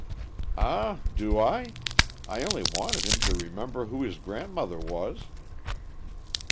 "Ah! do I? I only wanted him to remember who his grandmother was."